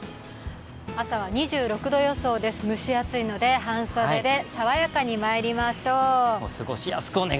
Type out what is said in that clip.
朝は２６度予想です、蒸し暑いので半袖で爽やかにまいりましょう。